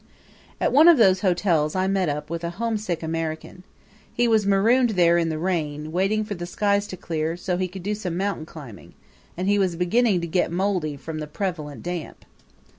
At one of those hotels I met up with a homesick American. He was marooned there in the rain, waiting for the skies to clear, so he could do some mountain climbing; and he was beginning to get moldy from the prevalent damp.